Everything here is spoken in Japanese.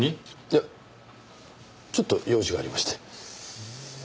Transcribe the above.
いやちょっと用事がありまして。